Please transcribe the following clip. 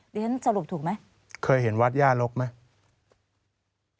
เดี๋ยวฉันสรุปถูกไหมเคยเห็นวัดหญ้าลกไหม